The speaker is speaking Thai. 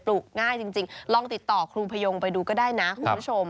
ลูกง่ายจริงลองติดต่อครูพยงไปดูก็ได้นะคุณผู้ชม